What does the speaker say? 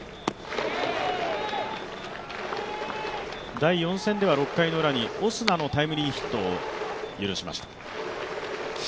第４戦では６回ウラにオスナのタイムリーヒットを許しました。